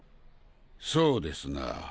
そうですなぁ。